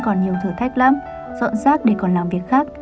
còn nhiều thử thách lắm dọn rác để còn làm việc khác